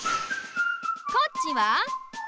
こっちはン。